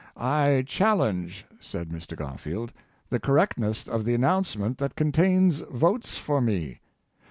^' I challenge," said Mr, Garfield, '' the correctness of the announcement that contains votes for me.